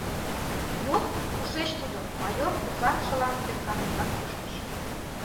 — Йод, кушеч тудо, — майор кусарышылан ӧрканенрак кӱштыш.